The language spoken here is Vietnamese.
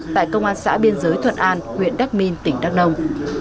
tại công an xã biên giới thuận an huyện đắc minh tỉnh đắc nông